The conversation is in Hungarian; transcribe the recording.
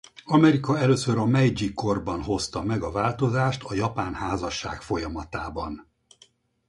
Amerika először a Meidzsi-korban hozta meg a változást a japán házasság folyamatában.